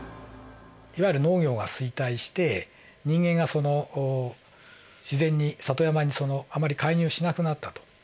いわゆる農業が衰退して人間が自然に里山にあまり介入しなくなったと。